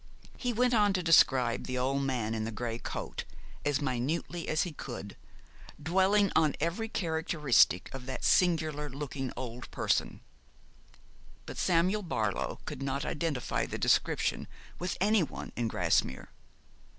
He went on to describe the old man in the grey coat, as minutely as he could, dwelling on every characteristic of that singular looking old person; but Samuel Barlow could not identify the description with any one in Grasmere.